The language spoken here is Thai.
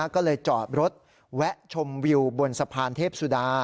ก็เลยจอดรถแวะชมวิวบนสะพานเทพสุดา